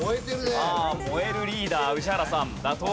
さあ燃えるリーダー宇治原さん。